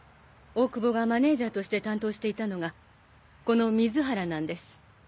大久保がマネージャーとして担当していたのがこの水原なんです。